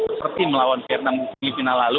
seperti melawan vietnam di final lalu